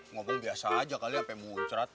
ngobrol biasa aja kali sampai muncrat